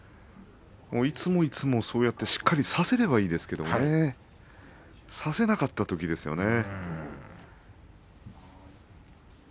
いつもいつもそうやってしっかり差せればいいんですけどね差せなかったときですよね。